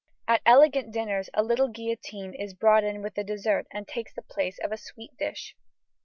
At elegant dinners a little guillotine is brought in with the dessert and takes the place of a sweet dish.